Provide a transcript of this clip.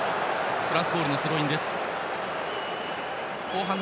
フランスボールのスローイン。